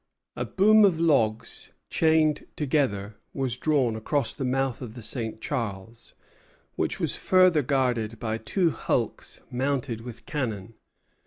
A boom of logs chained together was drawn across the mouth of the St. Charles, which was further guarded by two hulks mounted with cannon.